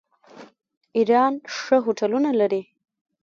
ایران ښه هوټلونه لري.